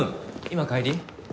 今帰り？